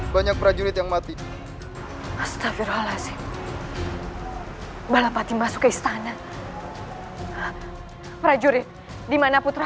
banyak prajurit yang mati astafir halas balapati masuk ke istana prajurit dimana putra